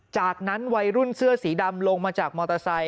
จากนั้นวัยรุ่นเสื้อสีดำลงมาจากมอเตอร์ไซค